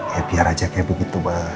ya biar aja kayak begitu pak